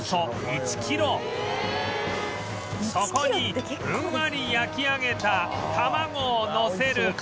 そこにふんわり焼き上げた卵をのせる